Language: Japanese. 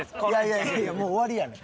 いやいやもう終わりやねん。